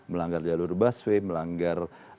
melanggar jalur busway melanggar